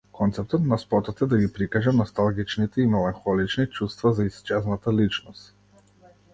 Концептот на спотот е да ги прикаже носталгичните и меланхолични чувства за исчезната личност.